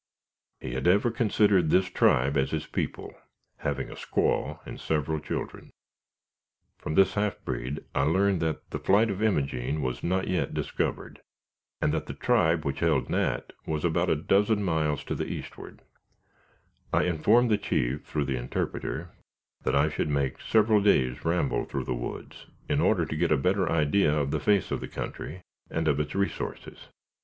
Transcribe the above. He had ever considered this tribe as his people, having a squaw and several children. From this half breed I learned that the flight of Imogene was not yet discovered, and that the tribe which held Nat was about a dozen miles to the eastward I informed the chief, through the interpreter, that I should make several days' ramble through the woods, in order to get a better idea of the face of the country and of its resources.